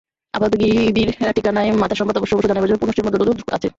আপাতত গিরিধির ঠিকানায় মাতার সংবাদ অবশ্য-অবশ্য জানাইবার জন্য পুনশ্চের মধ্যে অনুরোধ আছে।